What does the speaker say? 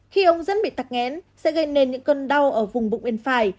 khi ống dẫn bị tắc nghén sẽ gây nên những cơn đau ở vùng bụng bên phải